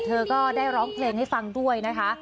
เธอก็ได้ร้องเพลงให้ฟังด้วยนะคะ